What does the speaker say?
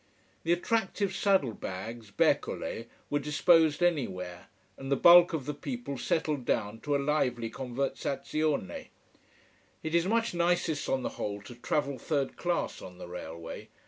The attractive saddle bags, bercole, were disposed anywhere, and the bulk of the people settled down to a lively conversazione. It is much nicest, on the whole, to travel third class on the railway.